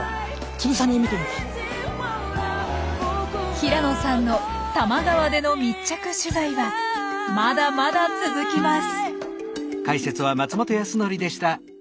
平野さんの多摩川での密着取材はまだまだ続きます。